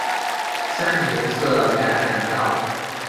三年设赣南道。